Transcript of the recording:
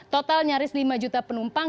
total nyaris lima juta penumpang